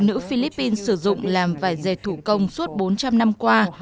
phụ nữ philippines sử dụng làm vải dày thủ công suốt bốn trăm linh năm qua